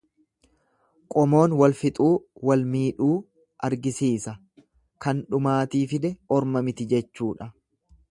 Qomoon walfixuu, wal miidhuu argisiisa, Kan dhumaatii fide orma miti jechuudha.